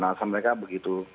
alasan mereka begitu